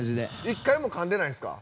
一回もかんでないんですか？